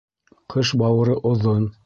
Ҡыш бауыры оҙон.